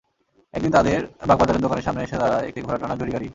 একদিন তাঁদের বাগবাজারের দোকানের সামনে এসে দাঁড়ায় একটি ঘোড়া টানা জুড়ি গাড়ি।